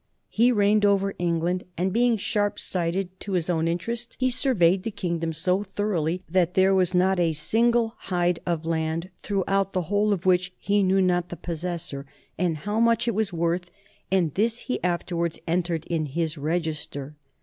He reigned over England, and being sharp sighted to his own interest, he sur veyed the kingdom so thoroughly that there was not a single hide of land throughout the whole of which he knew not the possessor, and how much it was worth, and this he after wards entered in his register.